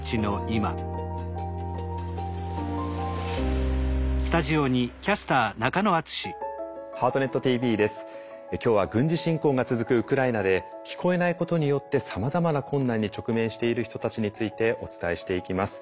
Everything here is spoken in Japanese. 今日は軍事侵攻が続くウクライナで聞こえないことによってさまざまな困難に直面している人たちについてお伝えしていきます。